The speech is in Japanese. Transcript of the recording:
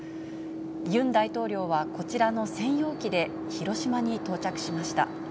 ユン大統領はこちらの専用機で広島に到着しました。